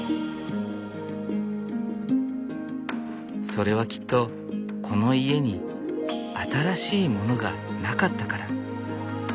それはきっとこの家に新しいものがなかったから。